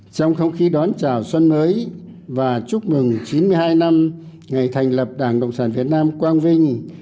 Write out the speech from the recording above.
trong không khí đón chào xuân mới và chúc mừng chín mươi hai năm ngày thành lập đảng cộng sản việt nam quang vinh